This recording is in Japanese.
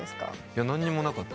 何にもなかった。